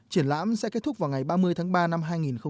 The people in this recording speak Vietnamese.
triển lãm sẽ kết thúc vào ngày ba mươi tháng ba năm hai nghìn một mươi bảy